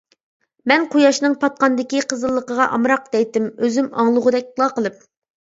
«مەن قۇياشنىڭ پاتقاندىكى قىزىللىقىغا ئامراق» دەيتتىم ئۆزۈم ئاڭلىغۇدەكلا قىلىپ.